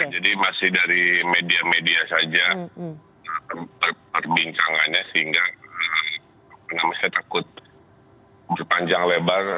jadi masih dari media media saja perbincangannya sehingga saya takut berpanjang lebar